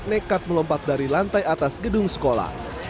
nekat melompat dari lantai atas gedung sekolah